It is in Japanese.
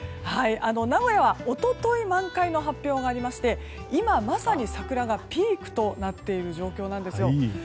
名古屋は一昨日満開の発表がありまして今まさに桜がピークとなっている状況なんですよ。